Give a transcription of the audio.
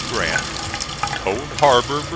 GRANT. COLD HARBOR, VA.